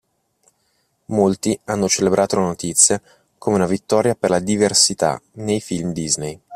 Molti hanno celebrato la notizia come una vittoria per la diversità nei film Disney.